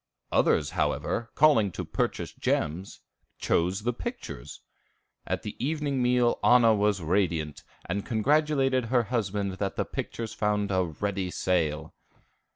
Others, however, calling to purchase gems, chose the pictures. At the evening meal Anna was radiant, and congratulated her husband that the pictures found a ready sale.